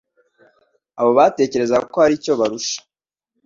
abo batekerezaga ko har'icyo barusha